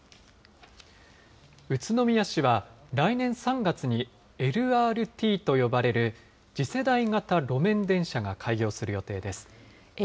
宇都宮市は来年３月に、ＬＲＴと呼ばれる次世代型路面電車が開業する予定です。